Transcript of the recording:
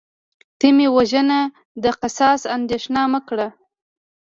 ته مې وژنه د قصاص اندیښنه مه کړه